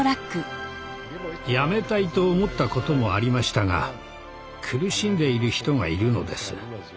やめたいと思ったこともありましたが苦しんでいる人がいるのです。